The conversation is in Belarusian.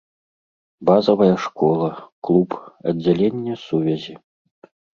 Базавая школа, клуб, аддзяленне сувязі.